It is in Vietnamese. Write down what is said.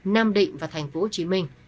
nam định và thành phố hồ chí minh